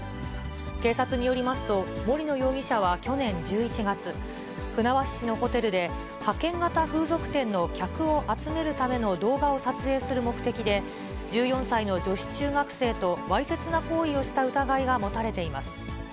警察によりますと、森野容疑者は去年１１月、船橋市のホテルで、派遣型風俗店の客を集めるための動画を撮影する目的で、１４歳の女子中学生とわいせつな行為をした疑いが持たれています。